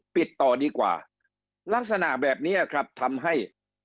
ปิดต่อดีกว่าลักษณะแบบนี้ครับทำให้